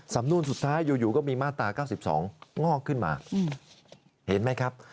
สำนวนสุดท้ายอยู่ก็มีมาตรา๙๒งอกขึ้นมาเห็นไหมครับ